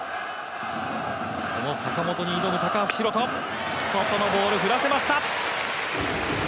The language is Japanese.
その坂本に挑む高橋宏斗外のボール振らせました。